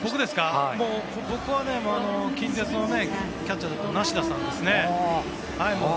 僕は近鉄のキャッチャーの梨田さんですね。